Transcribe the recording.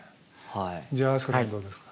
じゃあ飛鳥さんどうですか？